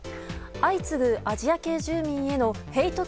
相次ぐアジア系住民へのヘイト